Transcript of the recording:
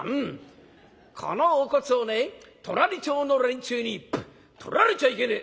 このお骨をね隣町の連中にとられちゃいけねえ！」。